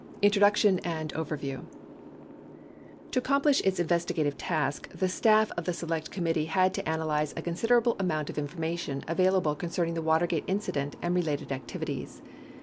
INTRODUCTION AND OVERVIEW To accomplish its investigative task, the staff of the Select Com mittee had to analyze a considerable amount of information available concerning the Watergate incident and related activities.